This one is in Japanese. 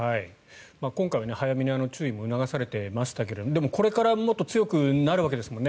今回は早めに注意も促されていましたけどでも、これからもっと強くなるわけですもんね。